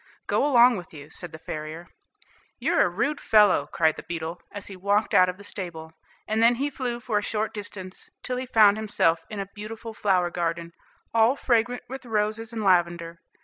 "Go along with you," said the farrier. "You're a rude fellow," cried the beetle, as he walked out of the stable; and then he flew for a short distance, till he found himself in a beautiful flower garden, all fragrant with roses and lavender.